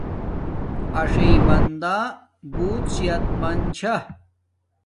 اݽݵ بندا بوت صحت مند چھا